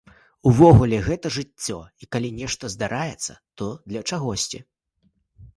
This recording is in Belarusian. Увогуле, гэта жыццё, і калі нешта здараецца, то для чагосьці.